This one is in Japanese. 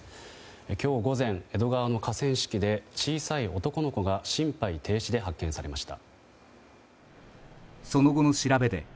今日午前、江戸川の河川敷で小さい男の子が心肺停止で発見されました。